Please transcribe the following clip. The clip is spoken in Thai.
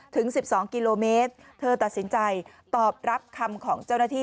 ถึง๑๒กิโลเมตรเธอตัดสินใจตอบรับคำของเจ้าหน้าที่